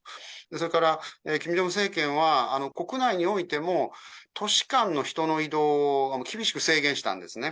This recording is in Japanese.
それからキム・ジョンウン政権は国内においても、都市間の人の移動を厳しく制限したんですね。